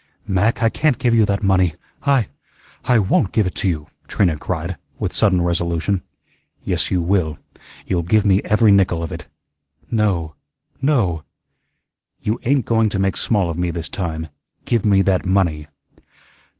"Mac, I can't give you that money. I I WON'T give it to you," Trina cried, with sudden resolution. "Yes, you will. You'll give me every nickel of it." "No, NO." "You ain't going to make small of me this time. Give me that money."